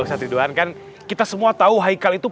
ustadz ridwan kan kita semua tahu haikal itu